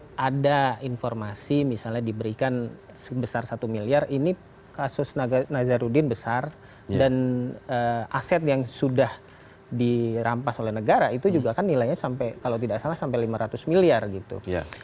dan kalau misalnya ada informasi misalnya diberikan sebesar satu miliar ini kasus nazarudin besar dan aset yang sudah dirampas oleh negara itu juga kan nilainya sampai kalau tidak salah sampai lima ratus miliar gitu